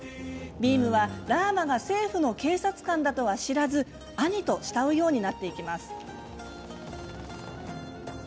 ビームはラーマが政府の警察官だとは知らず兄と慕うようになっていきます。